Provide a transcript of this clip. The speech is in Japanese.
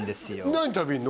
何食べるの？